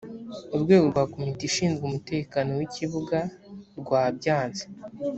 urwego rwa komite ishinzwe umutekano w’ ikibuga rwabyanze